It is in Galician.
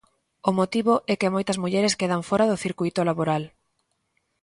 O motivo é que moitas mulleres quedan fóra do circuíto laboral.